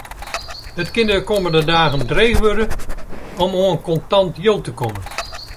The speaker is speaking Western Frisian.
It kin de kommende dagen dreech wurde om oan kontant jild te kommen.